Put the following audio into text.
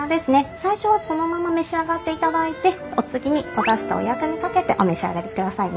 最初はそのまま召し上がっていただいてお次におだしとお薬味かけてお召し上がりくださいね。